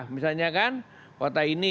misalnya kan kota ini